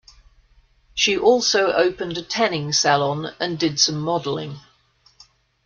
She also opened a tanning salon and did some modeling.